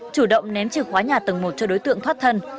chủ động ném chìa khóa nhà tầng một cho đối tượng thoát thân